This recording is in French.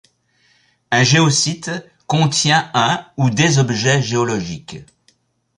Un géosite contient un ou des objets géologiques.